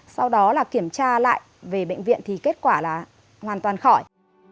sau đó kiểm tra lại về bệnh viện kết quả là hoàn toàn khỏi